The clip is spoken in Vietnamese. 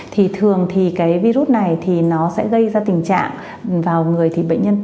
thường thì virus này sẽ gây ra tình trạng vào người bệnh nhân